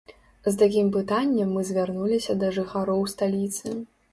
З такім пытаннем мы звярнуліся да жыхароў сталіцы.